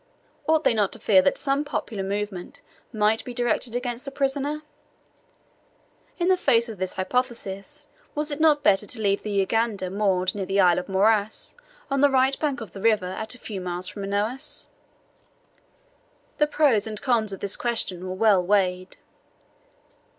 Ought they not to fear that some popular movement might be directed against the prisoner? In the face of this hypothesis was it not better to leave the jangada moored near the Isle of Muras on the right bank of the river at a few miles from Manaos? The pros and cons of the question were well weighed.